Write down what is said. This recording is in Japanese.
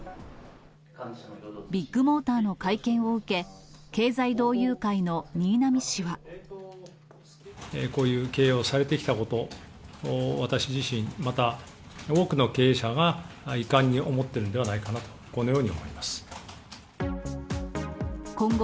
ビッグモーターの会見を受け、経済同友会の新浪氏は。こういう経営をされてきたこと、私自身、また多くの経営者が遺憾に思っているんではないかなと、このよう今後、